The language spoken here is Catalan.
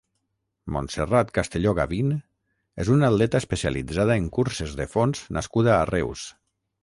Montserrat Castelló Gavín és una atleta especialitzada en curses de fons nascuda a Reus.